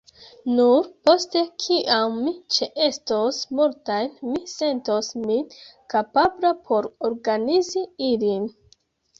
Nur post kiam mi ĉeestos multajn mi sentos min kapabla por organizi ilin.